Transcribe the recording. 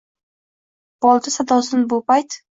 Bolta sadosin shu payt?